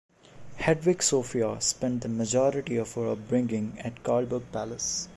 Hedvig Sophia spent the majority of her upbringing at Karlberg Palace.